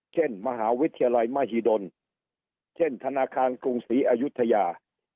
เช่นมหาวิทยาลัยมหิดลเช่นธนาคารกรุงศรีอายุทยา